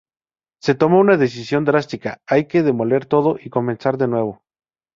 Se toma una decisión drástica: hay que demoler todo y comenzar de nuevo.